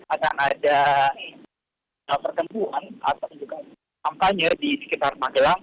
akan ada pertemuan atau juga kampanye di sekitar magelang